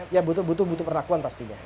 ya butuh perlakuan pastinya